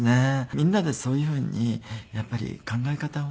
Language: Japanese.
みんなでそういうふうにやっぱり考え方をね